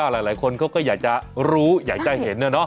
หลายคนเขาก็อยากจะรู้อยากจะเห็น